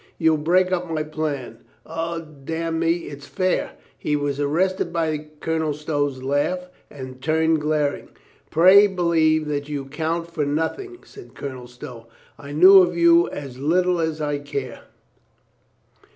"You'd break up my plan. Od damn me, it's fair." He was arrested by Colonel Stow's laugh, and turned glaring. "Pray believe that you count for nothing," said Colonel Stow. "I knew of you as little as I care."